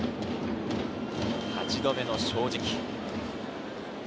８度目の正直。